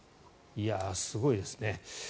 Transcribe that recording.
すごいですね。